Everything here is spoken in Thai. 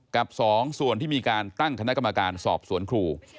กับ๒ส่วนที่มีการตั้งคณะกรรมการสอบสวนครู